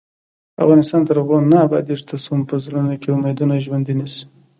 افغانستان تر هغو نه ابادیږي، ترڅو مو په زړونو کې امیدونه ژوندۍ نشي.